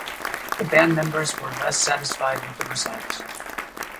The band members were less satisfied with the results.